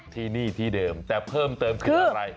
ที่นี่ที่เดิมแต่เพิ่มเติมคืออะไร